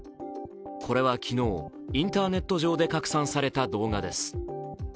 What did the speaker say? これは昨日、インターネット上で拡散された動画です。